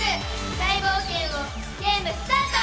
大冒険をゲームスタート！